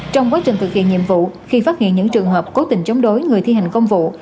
trong quá trình thực hiện nhiệm vụ khi phát hiện những trường hợp cố tình chống đối người thi hành công vụ